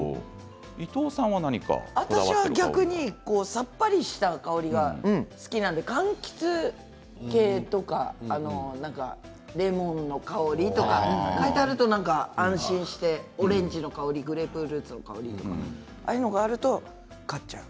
私は逆にさっぱりした香りが好きなのでかんきつ系とかレモンの香りとか書いてあると安心してオレンジの香りグレープフルーツの香りああいうのがあると買っちゃう。